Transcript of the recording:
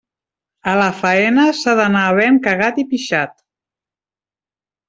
A la faena s'ha d'anar havent cagat i pixat.